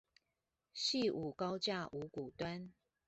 汐五高架五股端